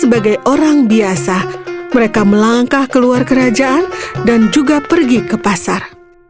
sebagai orang biasa mereka melangkah keluar kerajaan dan juga pergi ke pasar